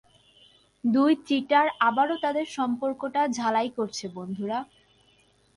দুই চিটার আবারও তাদের সম্পর্কটা ঝালাই করছে, বন্ধুরা!